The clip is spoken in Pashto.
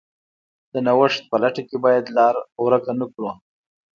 د نوښت په لټه کې باید لار ورکه نه کړو.